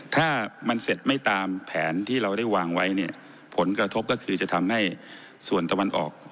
ถ้ามันเสร็จไม่ตามแผนที่เราได้วางไว้เนี่ยผลกระทบก็คือจะทำให้ส่วนตะวันออก